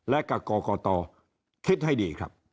แล้วก็กตอคิดให้ดีครับ